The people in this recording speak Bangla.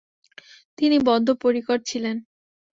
তিনি বদ্ধ পরিকর ছিলেন।